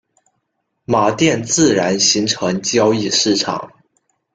马甸自然形成交易市场。